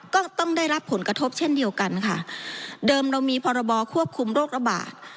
ก็ต้องได้รับผลกระทบเช่นเดียวกันค่ะเดิมเรามีพรบควบคุมโรคระบาด